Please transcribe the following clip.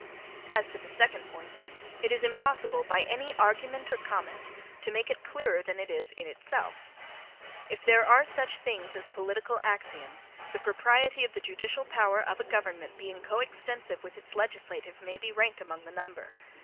As to the second point, it is impossible, by any argument or comment, to make it clearer than it is in itself. If there are such things as political axioms, the propriety of the judicial power of a government being coextensive with its legislative, may be ranked among the number.